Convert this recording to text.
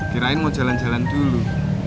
kirain mau jalan jalan dulu